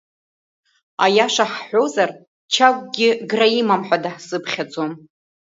Аиаша ҳҳәозар, Чагәгьы гра имам ҳәа даҳзыԥхьаӡом.